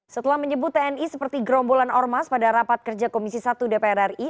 setelah menyebut tni seperti gerombolan ormas pada rapat kerja komisi satu dpr ri